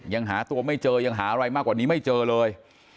ยังหาตัวไม่เจอยังหาอะไรมากกว่านี้ไม่เจอเลย